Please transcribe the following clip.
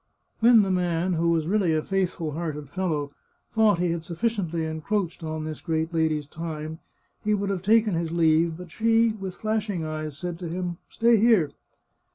When the man, who really was a faithful hearted fellow, thought he had suf ficiently encroached on this great lady's time, he would have taken his leave, but she, with flashing eyes, said to him, "Stay here!"